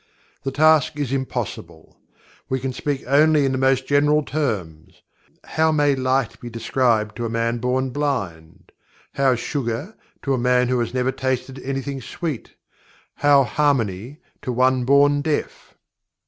The task is impossible. We can speak only in the most general terms. How may Light be described to a man born blind how sugar, to a man who has never tasted anything sweet how harmony, to one born deaf?